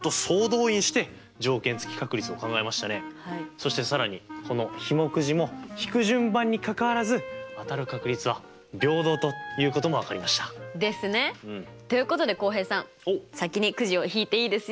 そして更にこのひもくじもひく順番にかかわらず当たる確率は平等ということも分かりました！ですね！ということで浩平さん先にくじをひいていいですよ。